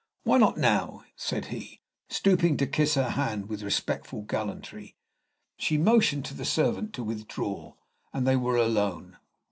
"Why not now?" said he, stooping to kiss her hand with respectful gallantry. She motioned to the servant to withdraw, and they were alone.